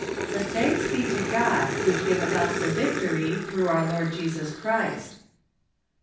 " But thanks be to God, which giveth us the vic¬ tory through our Lord Jesus Christ